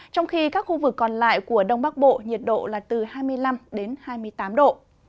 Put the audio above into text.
trong khi các khu vực còn lại của đông bắc bộ nhiệt độ là từ hai mươi năm đến hai mươi tám độ